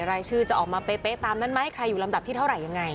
รายชื่อจะออกมาเป๊ะตามนั้นไหมใครอยู่ลำดับที่เท่าไหร่ยังไง